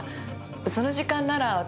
その時間なら私